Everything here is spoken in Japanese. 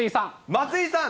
松井さん。